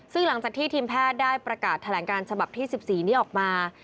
ซึ่งหลังจากที่ทีมแพทย์ได้ประกาศแถลงการฉบับที่๑๔นี้ออกมา